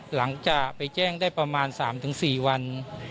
หลังจากไปแจ้งได้ประมาณ๓๔วัน